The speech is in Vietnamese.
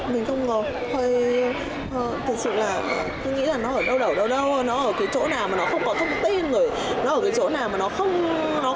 mình không ngờ tôi nghĩ là nó ở đâu đâu đâu đâu nó ở cái chỗ nào mà nó không có thông tin nó ở cái chỗ nào mà nó không có trình độ văn hóa hoặc là